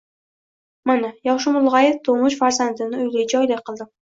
Mana, yoshim ulg'ayib, to'ng'ich farzandlarimni uyli-joyli qildim